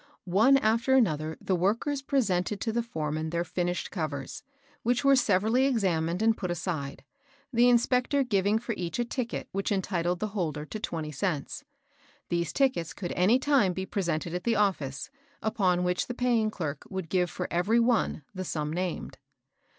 One after another the workers presented to the foreman their finished covers, 204 KABEL ROSS. which were severally examined and put aside, the inspector giving for each a ticket which entitled the holder to twenty cents. These tickets could any time be presented at the office, upon which the paying clerk would give for every one the sum named.